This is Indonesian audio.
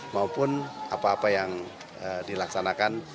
maupun apa apa yang dilaksanakan